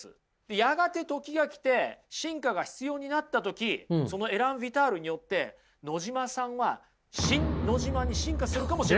やがて時が来て進化が必要になった時そのエラン・ヴィタールによって野島さんはシン・ノジマに進化するかもしれません。